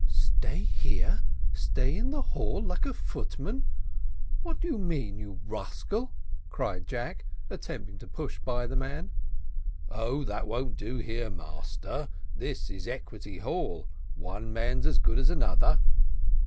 "Stay here! stay in the hall like a footman? What do you mean, you rascal?" cried Jack, attempting to push by the man. "Oh, that won't do here, master; this is Equality Hall; one man's as good as another."